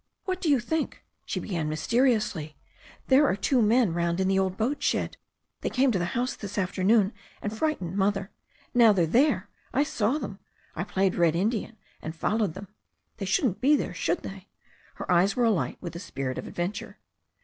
"What do you think?" she began mysteriously. "There are two men round in the old boatshed. They came to the house this afternoon and frightened Mother. Now they're there. I saw them. I played Red Indian, and followed them. They shouldn't be there, should they?" Her eyes were alight with the spirit of adventure.